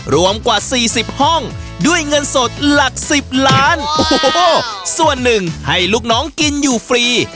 รวมกว่าสี่สิบห้องด้วยเงินสดหลักสิบล้านโอ้โหส่วนหนึ่งให้ลูกน้องกินอยู่ฟรี